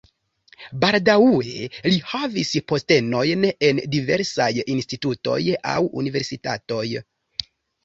Baldaŭe li havis postenojn en diversaj institutoj aŭ universitatoj.